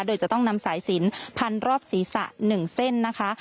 โดยจะต้องนำสายสินพันรอบศีรษะ๑เส้นนะคะ